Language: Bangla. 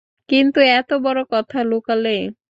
কিন্তু এতো বড় কথা লুকালে!